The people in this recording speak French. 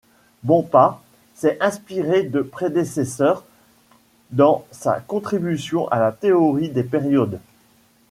Bompa s’est inspiré de prédécesseurs dans sa contribution à la théorie des périodes.